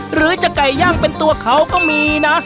หรือจะไก่ย่างเป็นตัวเขาก็มีนะ